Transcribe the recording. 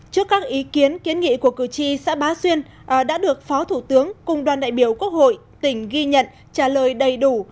trước các ý kiến kiến nghị của cử tri xã bá xuyên đã được phó thủ tướng cùng đoàn đại biểu quốc hội tỉnh ghi nhận trả lời đầy đủ